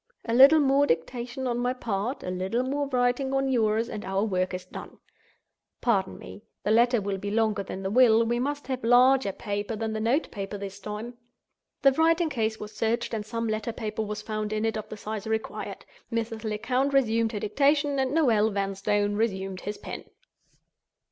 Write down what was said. A little more dictation on my part, a little more writing on yours, and our work is done. Pardon me. The letter will be longer than the will; we must have larger paper than the note paper this time." The writing case was searched, and some letter paper was found in it of the size required. Mrs. Lecount resumed her dictation; and Noel Vanstone resumed his pen.